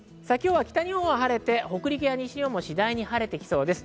今日は北日本は晴れて北陸や西日本も次第に晴れてきそうです。